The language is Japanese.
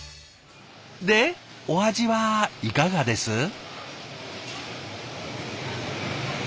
でお味はいかがです？